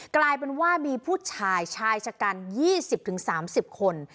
กลายเป็นว่ามีผู้ชายชายชะกัน๒๐๓๐คน